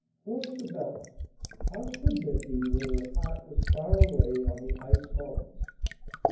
Poor Sabella! how could there be when her heart was far away on the Ice Mountains?